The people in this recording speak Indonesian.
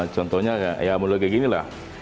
contohnya ya mulai kayak ginilah